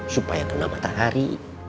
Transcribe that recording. supaya kena matahari